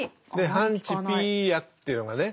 「ハンチピーヤク」っていうのがね